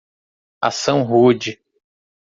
Ação rude